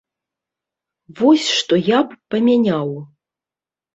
Вось, што я б памяняў.